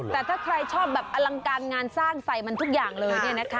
แต่ถ้าใครชอบแบบอลังการงานสร้างใส่มันทุกอย่างเลยเนี่ยนะคะ